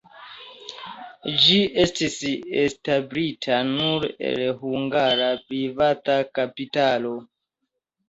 Ĝi estis establita nur el hungara privata kapitalo.